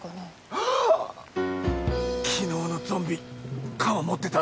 ハッ昨日のゾンビ鎌持ってた！